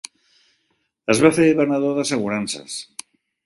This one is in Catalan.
Es va fer venedor d'assegurances.